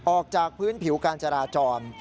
ออกจากพื้นผิวการจราจร